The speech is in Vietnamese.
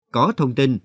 có thông tin